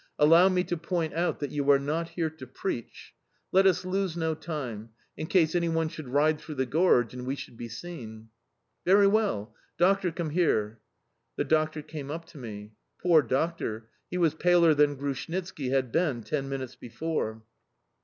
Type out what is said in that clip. "Allow me to point out that you are not here to preach... Let us lose no time, in case anyone should ride through the gorge and we should be seen." "Very well. Doctor, come here!" The doctor came up to me. Poor doctor! He was paler than Grushnitski had been ten minutes before.